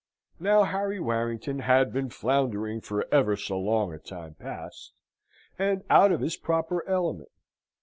Now Harry Warrington had been floundering for ever so long a time past, and out of his proper element.